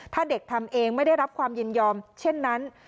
ถ้าเด็กทำเองไม่ได้รับความยินยอมเช่นนั้น